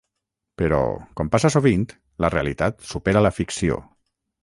Però, com passa sovint, la realitat supera la ficció.